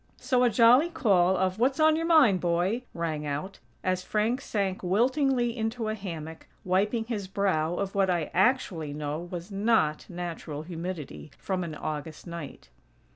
So a jolly call of: "What's on your mind, boy?" rang out, as Frank sank wiltingly into a hammock, wiping his brow of what I actually know was not natural humidity from an August night!